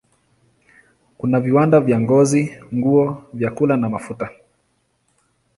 Kuna viwanda vya ngozi, nguo, vyakula na mafuta.